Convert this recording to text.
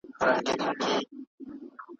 په ټولنه کې باید توپیر او تعصب ونه منل شي.